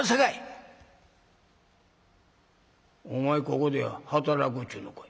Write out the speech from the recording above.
「お前ここで働くっちゅうのかい？」。